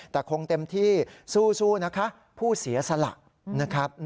แต่คงเต็มที่สู้นะคะผู้เสียสละนะครับ